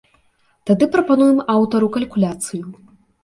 Тады прапануем аўтару калькуляцыю.